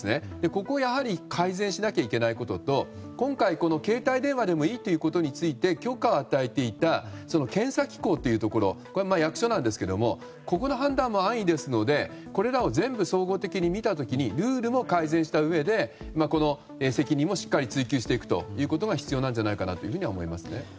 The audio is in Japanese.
ここをやはり改善しなきゃいけないことと今回、携帯電話でもいいということについて許可を与えていた検査機構というところ役所なんですがここの判断も安易ですのでこれらを全部、総合的に見た時にルールも改善したうえでこの責任もしっかり追及していくことが必要なんじゃないかなと思いますね。